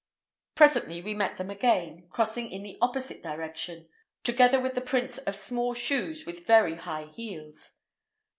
Presently we met them again, crossing in the opposite direction, together with the prints of small shoes with very high heels.